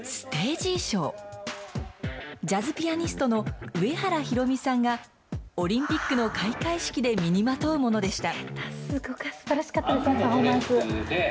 ジャズピアニストの上原ひろみさんが、オリンピックの開会式で身にまとうものでした。